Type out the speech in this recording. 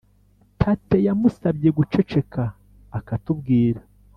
tate yamusabye guceceka akatubwira.